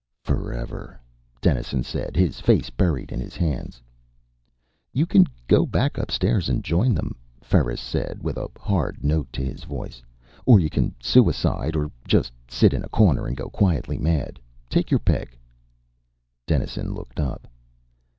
"Forever," Dennison said, his face buried in his hands. "You can go back upstairs and join them," Ferris said, with a hard note to his voice, "or you can suicide, or just sit in a corner and go quietly mad. Take your pick." Dennison looked up.